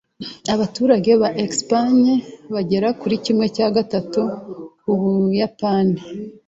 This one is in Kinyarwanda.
Abaturage ba Espagne bagera kuri kimwe cya gatatu nk’Ubuyapani.